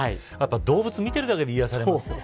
動物見てるだけで癒されます。